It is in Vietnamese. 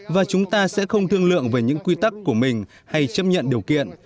và chúng ta sẽ không thương lượng về những quy tắc của mình hay chấp nhận điều kiện